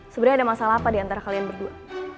sebenernya ada masalah apa diantara kalian berdua